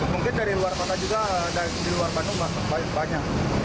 mungkin dari luar kota juga di luar bandung banyak